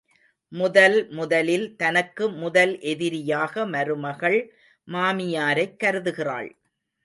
முதல் முதலில் தனக்கு முதல் எதிரியாக மருமகள் மாமியாரைக் கருதுகிறாள்.